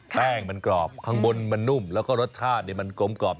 แป้งมันกรอบข้างบนมันนุ่มแล้วก็รสชาติมันกลมกรอบ